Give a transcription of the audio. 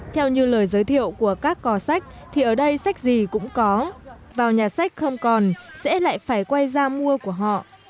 theo như lời giới thiệu của các cò sách thì ở đây sách gì cũng có vào nhà sách không còn sẽ lại phải quay ra mua của họ